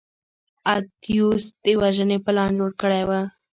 اتیوس د وژنې پلان جوړ کړی و.